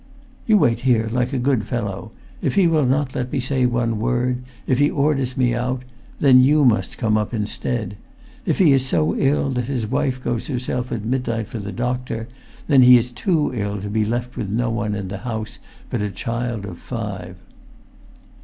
"You wait here, like a good fellow. If he will not let me say one word—if he orders me out—then you must come up instead. If he is so ill that his wife goes herself at midnight for the doctor, then he is too ill to be left with no one in the house but a child of five!"